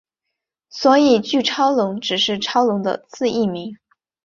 所以巨超龙只是超龙的次异名。